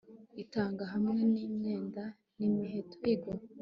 itanga hamwe nimyenda n'imiheto